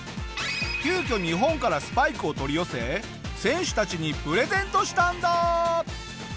急きょ日本からスパイクを取り寄せ選手たちにプレゼントしたんだ！